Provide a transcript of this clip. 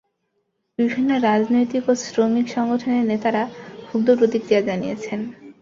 বিভিন্ন রাজনৈতিক ও শ্রমিক সংগঠনের নেতারা ক্ষুব্ধ প্রতিক্রিয়া জানিয়েছেন।